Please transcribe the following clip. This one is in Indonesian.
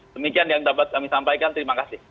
demikian yang dapat kami sampaikan terima kasih